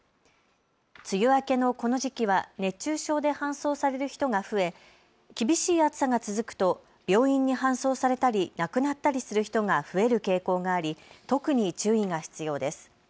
梅雨明けのこの時期は熱中症で搬送される人が増え厳しい暑さが続くと病院に搬送されたり亡くなったりする人が増える傾向があり特に注意が必要です。